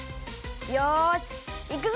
よしいくぞ！